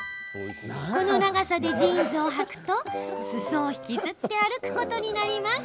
この長さでジーンズをはくと裾を引きずって歩くことになります。